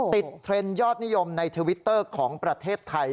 เทรนด์ยอดนิยมในทวิตเตอร์ของประเทศไทย